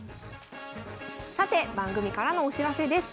さて番組からのお知らせです。